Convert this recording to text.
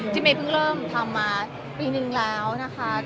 ที่เมจพึ่งเริ่มทำมาปี๑แล้วนะคะ